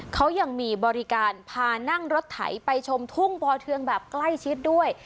เขายังมีบริการพานั่งรถไถไปชมทุ่งปอเทืองแบบใกล้ชิดด้วย